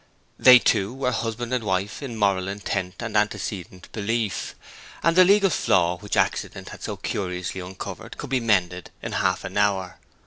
They two were husband and wife in moral intent and antecedent belief, and the legal flaw which accident had so curiously uncovered could be mended in half an hour.